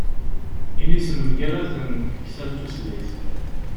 Initen mgaraden deg tal tutlayt.